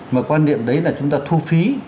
mà quan niệm đấy là chúng ta thu phí